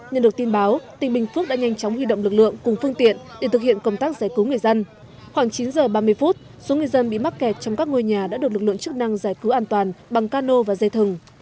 nhận được tin báo tỉnh bình phước đã nhanh chóng huy động lực lượng cùng phương tiện để thực hiện công tác giải cứu người dân khoảng chín giờ ba mươi phút số người dân bị mắc kẹt trong các ngôi nhà đã được lực lượng chức năng giải cứu an toàn bằng cano và dây thừng